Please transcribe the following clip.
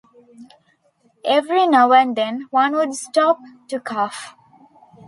Every now and then one would stop to cough.